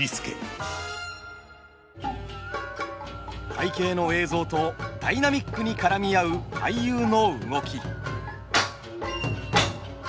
背景の映像とダイナミックに絡み合う俳優の動き。